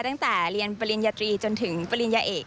ตั้งแต่เรียนปริญญาตรีจนถึงปริญญาเอก